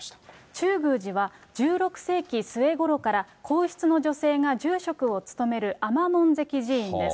中宮寺は１６世紀末ごろから皇室の女性が住職を務める尼門跡寺院です。